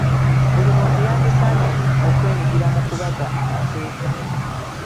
Buli muntu yandisaanye okwenyigira mu kubaga amateeka